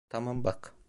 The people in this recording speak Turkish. Tamam, bak.